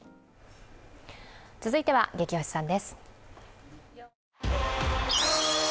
続いてはゲキ推しさんです。